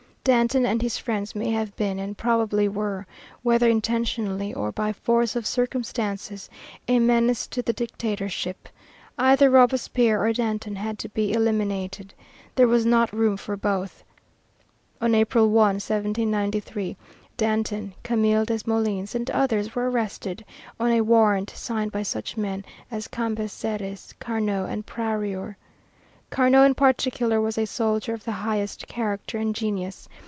Danton and his friends may have been, and probably were, whether intentionally or by force of circumstances, a menace to the Dictatorship. Either Robespierre or Danton had to be eliminated. There was not room for both. On April 1, 1793, Danton, Camille Desmoulins, and others were arrested on a warrant signed by such men as Cambacérès, Carnot, and Prieur. Carnot in particular was a soldier of the highest character and genius.